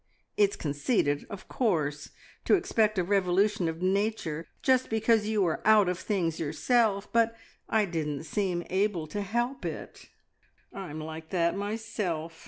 It's conceited, of course, to expect a revolution of nature, just because you are out of things yourself, but I didn't seem able to help it." "I'm like that myself!"